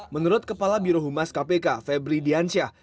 menurut kepala birohumas kpk febri diansyah